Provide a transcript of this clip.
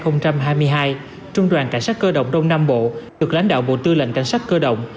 năm hai nghìn hai mươi hai trung đoàn cảnh sát cơ động đông nam bộ được lãnh đạo bộ tư lệnh cảnh sát cơ động